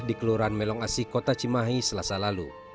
di kelurahan melong asi kota cimahi selasa lalu